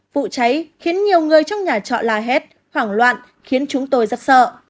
vụ cháy khiến nhiều người trong nhà trọ la hét hoảng loạn khiến chúng tôi rất sợ